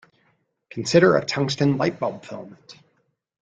Consider a tungsten light-bulb filament.